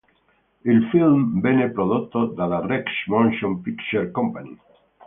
Il film venne prodotto dalla Rex Motion Picture Company.